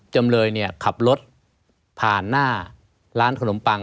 จำเลยเนี่ยขับรถผ่านหน้าร้านขนมปัง